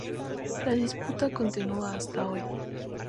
La disputa continua hasta hoy.